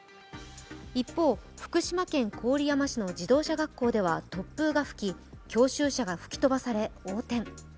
一方、福島県郡山市の自動車学校では突風が吹き教習車が吹き飛ばされ横転。